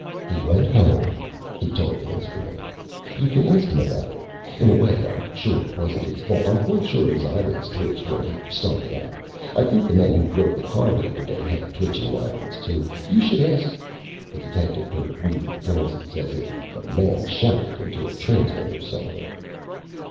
"He went home," he told the instrument. "You can ask him about it. In a way I'm sure it wasn't his fault. I'm quite sure his eyelids twitched when he started out. I think the men who drove the car the other day had twitching eyelids, too. You should ask " The detective heard muted noises, as it a man shouted into a transmitter somewhere.